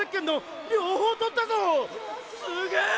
すげえ！